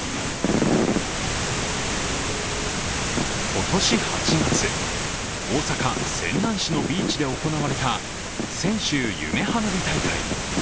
今年８月、大阪・泉南市のビーチで行われた泉州夢花火大会。